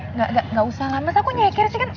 nggak nggak nggak usah lah masa aku nyeker sih kan